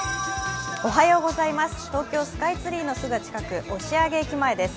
東京スカイツリーのすぐ近く、押上駅前です。